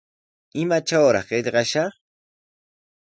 ¿Imatrawraq qillqashaq?